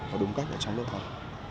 và đúng cách ở trong lớp học